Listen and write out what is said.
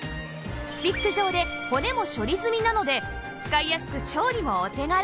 スティック状で骨も処理済みなので使いやすく調理もお手軽！